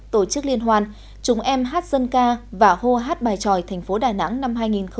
tổ chức liên hoan chúng em hát dân ca và hô hát bài tròi thành phố đà nẵng năm hai nghìn một mươi chín